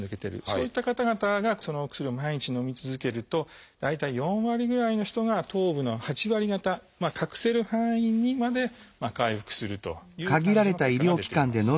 そういった方々がそのお薬を毎日のみ続けると大体４割ぐらいの人が頭部の８割方隠せる範囲にまで回復するという感じの結果が出ています。